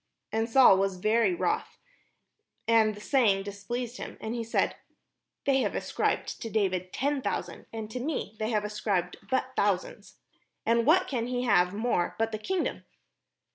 And Saul was very wroth, and the saying displeased him; and he said, "They have ascribed unto David ten thousands, and to me they have ascribed but thousands : and what can he have more but the kingdom?"